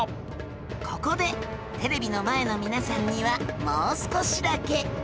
ここでテレビの前の皆さんにはもう少しだけ